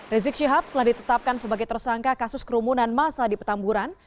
rizik syihab telah ditetapkan sebagai tersangka kasus kerumunan masa di petamburan